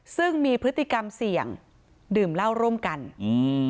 ซึ่งมีพฤติกรรมเสี่ยงดื่มเหล้าร่วมกันอืม